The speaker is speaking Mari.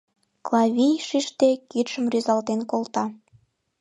Клавий, шижде, кидшым рӱзалтен колта.